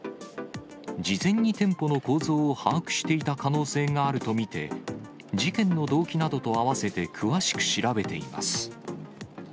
事前に店舗の構造を把握していた可能性があると見て、事件の動機などと合わせて詳しく調べています。